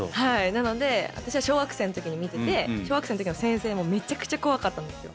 なので私は小学生の時に見てて小学生の時の先生もめちゃくちゃ怖かったんですよ。